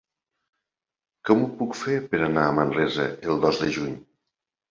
Com ho puc fer per anar a Manresa el dos de juny?